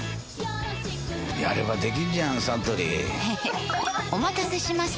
やればできんじゃんサントリーへへっお待たせしました！